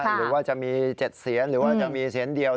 หรือว่าจะมี๗เสียนหรือว่าจะมีเสียนเดียว